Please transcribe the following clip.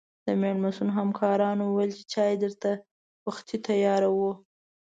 د مېلمستون همکارانو ویل چې چای درته وختي تیاروو.